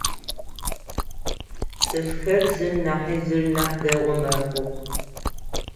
Цӏыфхэр зым нахьи зыр нахь дэгъу мэхъух.